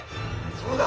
そうだ！